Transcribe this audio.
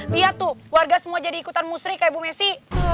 lihat tuh warga semua jadi ikutan musri kayak bu messi